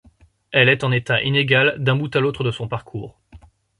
Elle est en état inégal d'un bout à l'autre de son parcours.